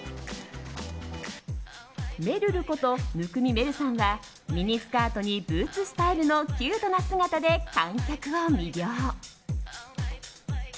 めるること、生見愛瑠さんはミニスカートにブーツスタイルのキュートな姿で観客を魅了。